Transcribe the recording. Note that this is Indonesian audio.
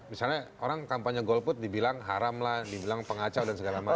misalnya orang kampanye golput dibilang haram lah dibilang pengacau dan segala macam